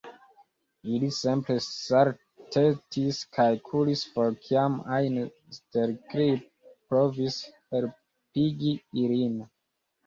Ili simple saltetis kaj kuris for kiam ajn Stelkri provis helpigi ilin.